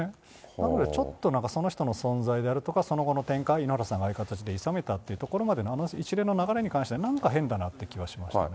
なのでちょっとその人の存在であるとか、その後の展開、井ノ原さんがああいう形でいさめたっていうのは、あの一連の流れに関してはなんか変だなって気がしましたね。